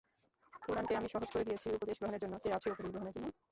কুরআনকে আমি সহজ করে দিয়েছি উপদেশ গ্রহণের জন্য, কে আছে উপদেশ গ্রহণের জন্য?